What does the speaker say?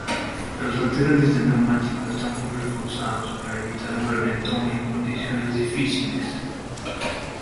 Los laterales del neumático están muy reforzados, para evitar un reventón en condiciones difíciles.